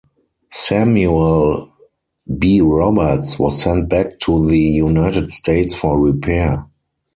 "Samuel B. Roberts" was sent back to the United States for repair.